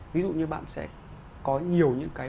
ví dụ như bạn sẽ có nhiều những cái